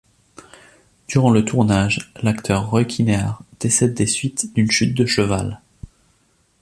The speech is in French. Durant le tournage, l'acteur Roy Kinnear décède des suites d'une chute de cheval.